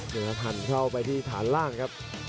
หันเข้าไปที่ฐานล่างครับ